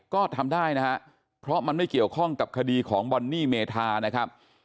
ก็ทำได้นะครับเพราะมันไม่เกี่ยวข้องกับคดีของบอนนี่เมธานะครับ